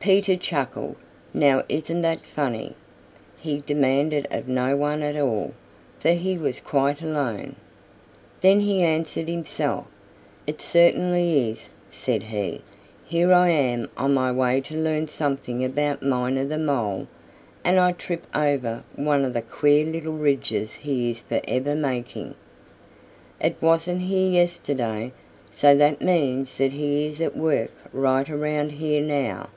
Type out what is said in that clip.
Peter chuckled. "Now isn't that funny?" he demanded of no one at all, for he was quite alone. Then he answered himself. "It certainly is," said he. "Here I am on my way to learn something about Miner the Mole, and I trip over one of the queer little ridges he is forever making. It wasn't here yesterday, so that means that he is at work right around here now.